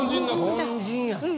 凡人やねん。